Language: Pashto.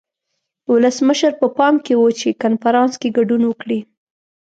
ولسمشر په پام کې و چې کنفرانس کې ګډون وکړي.